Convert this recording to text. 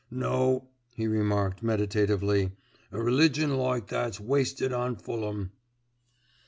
No," he remarked meditatively, "a religion like that's wasted on Fulham."